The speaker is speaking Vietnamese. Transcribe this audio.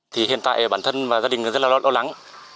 thì hiện tại bản thân và gia đình rất là lo lắng